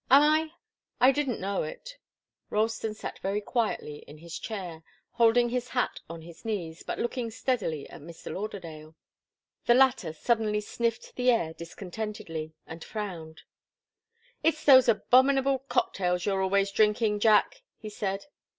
"Am I? I didn't know it." Ralston sat very quietly in his chair, holding his hat on his knees, but looking steadily at Mr. Lauderdale. The latter suddenly sniffed the air discontentedly, and frowned. "It's those abominable cocktails you're always drinking, Jack," he said.